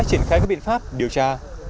triển khai các biện pháp điều tra